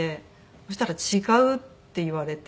そしたら違うって言われて。